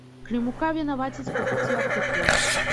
Клімука вінавацяць па пяці артыкулах.